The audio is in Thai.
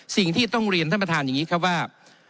สิ่งที่ต้องเรียนท่านประธานอย่างนี้ครับว่า